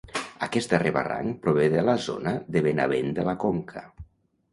Aquest darrer barranc prové de la zona de Benavent de la Conca.